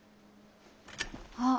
あっ。